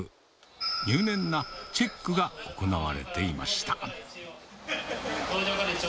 入念なチェックが行われていました。